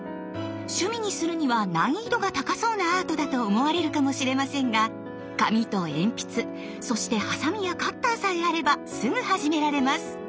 趣味にするには難易度が高そうなアートだと思われるかもしれませんが紙と鉛筆そしてハサミやカッターさえあればすぐ始められます！